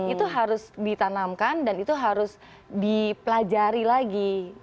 itu harus ditanamkan dan itu harus dipelajari lagi